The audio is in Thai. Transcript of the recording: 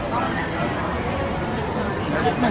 ทุกคนเค้าก็ไม่รู้อะไร